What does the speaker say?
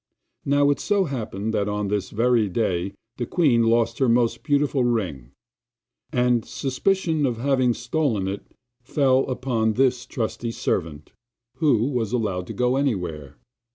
Now it so happened that on this very day the queen lost her most beautiful ring, and suspicion of having stolen it fell upon this trusty servant, who was allowed to go everywhere.